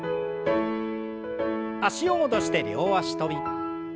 脚を戻して両脚跳び。